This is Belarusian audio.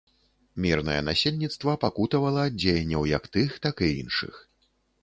Мірнае насельніцтва пакутавала ад дзеянняў як тых, так і іншых.